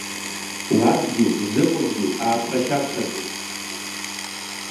Ладгьы Ӡыкәыргьы ааԥхашьаԥхаҵеит.